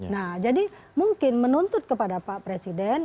nah jadi mungkin menuntut kepada pak presiden